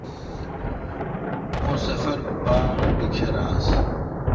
اؙں سفر باڑ بیکھر آس۔